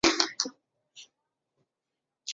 官右大臣。